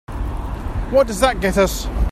What does that get us?